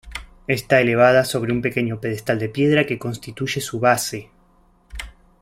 Está elevada sobre un pequeño pedestal de piedra que constituye su base.